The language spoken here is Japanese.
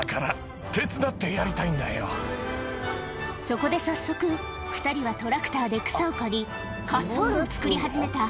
そこで早速２人はトラクターで草を刈り滑走路を造り始めた